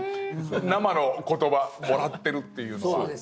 生の言葉もらってるっていうのは。